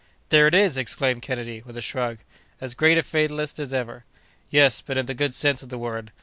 "There it is!" exclaimed Kennedy, with a shrug. "As great a fatalist as ever!" "Yes! but in the good sense of the word.